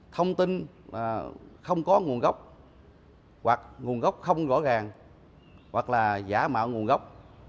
thông tin không có nguồn gốc hoặc nguồn gốc không rõ ràng hoặc là giả mạo nguồn gốc